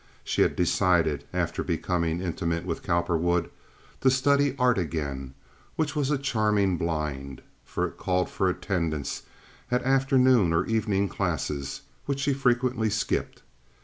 She had decided, after becoming intimate with Cowperwood, to study art again, which was a charming blind, for it called for attendance at afternoon or evening classes which she frequently skipped.